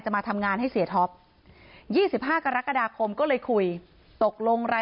เพราะไม่มีเงินไปกินหรูอยู่สบายแบบสร้างภาพ